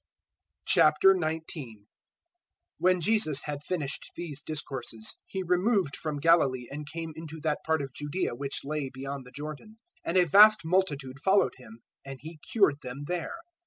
019:001 When Jesus had finished these discourses, He removed from Galilee and came into that part of Judaea which lay beyond the Jordan. 019:002 And a vast multitude followed him, and He cured them there.